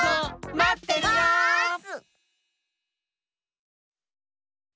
まってます！